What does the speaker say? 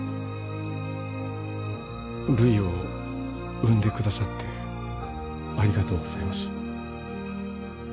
るいを産んでくださってありがとうございます。